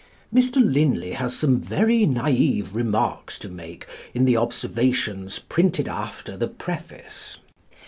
Mr Linley has some very naïve remarks to make in the observations printed after the preface.